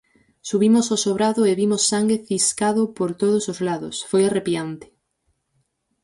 Subimos ao sobrado e vimos sangue ciscado por todos os lados, foi arrepiante